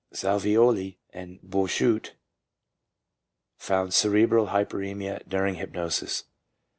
Salvioli and Bouchut found cerebral hyperemia during hypnosis.